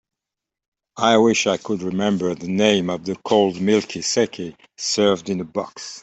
I wish I could remember the name of the cold milky saké served in a box.